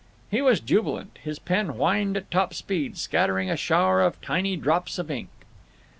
He was jubilant. His pen whined at top speed, scattering a shower of tiny drops of ink.